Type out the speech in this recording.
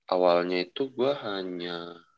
awalnya itu gue hanya